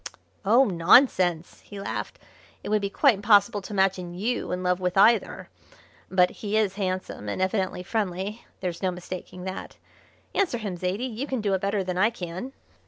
"Oh, nonsense!" he laughed. "It would be quite impossible to imagine you in love with either. But he is handsome, and evidently friendly there's no mistaking that. Answer him, Zaidie; you can do it better than I can."